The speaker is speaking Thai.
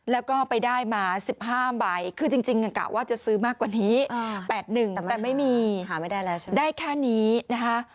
แล้วก็ไปได้มา๑๕ใบคือจริงกะว่าจะซื้อมากกว่านี้๘๑แต่ไม่มีได้แค่นี้นะคะ